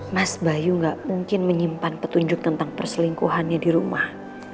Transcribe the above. mas bayu gak mungkin menyimpan petunjuk tentang perselingkuhannya di rumah